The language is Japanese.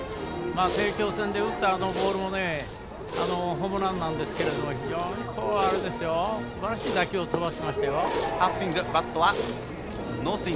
帝京戦で打ったあのボールもホームランなんですけれど非常にすばらしい打球を飛ばしましたよ。